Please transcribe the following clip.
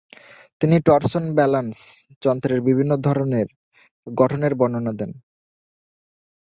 তিনি “torsion balance” যন্ত্রের বিভিন্ন ধরেনের গঠনের বর্ণনা দেন।